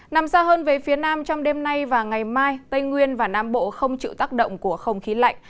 nằm xa hơn về phía nam trong đêm nay và ngày mai tây nguyên và nam bộ không chịu tác động của không khí lạnh